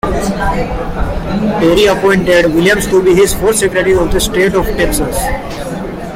Perry appointed Williams to be his fourth Secretary of State of Texas.